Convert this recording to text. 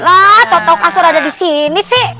lah tau tau kasur ada di sini sih